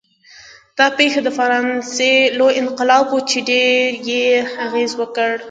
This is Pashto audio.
دا پېښه د فرانسې لوی انقلاب و چې ډېر یې اغېز وکړ.